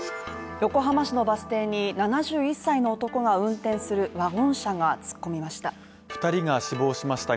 横浜市のバス停に７１歳の男が運転するワゴン車が突っ込みました。